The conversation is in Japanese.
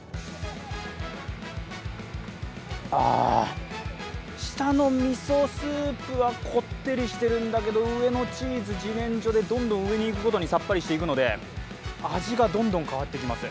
あ、下のみそスープはこってりしてるくんだけど、上のチーズ、自然薯でどんどん上にいくごとにさっぱりしていくので味がどんどん変わっていきます。